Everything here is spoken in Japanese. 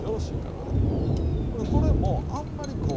これもあんまりこう